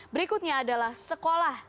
berikutnya adalah sekolah